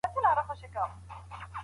که نکاح خط وي نو ژوند نه حریمیږي.